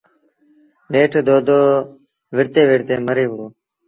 نيٺ دودو وڙهتي وڙهتي مري وُهڙو۔